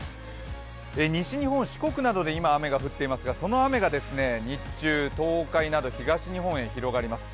西日本、四国などで今、雨が降っていますが、その雨が日中、東海など東日本へ広がります。